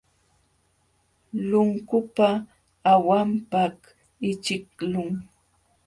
Lunkupa hawanpaq ićhiqlun.